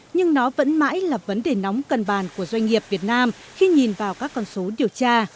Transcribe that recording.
nhưng nó vẫn mãi là vấn đề nóng cần bàn của doanh nghiệp việt nam khi nhìn vào các con số điều tra